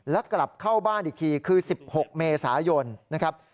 แล้วกลับเข้าบ้านอีกทีคือ๑๖เมษายนนะครับ